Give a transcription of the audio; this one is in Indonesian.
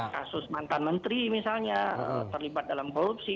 kasus mantan menteri misalnya terlibat dalam korupsi